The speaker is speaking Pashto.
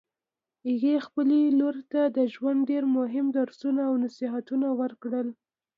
هغې خپلې لور ته د ژوند ډېر مهم درسونه او نصیحتونه ورکړل